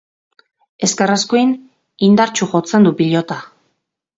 Ezker-eskuin indartsu jotzen du pilota.